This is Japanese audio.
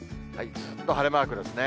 ずっと晴れマークですね。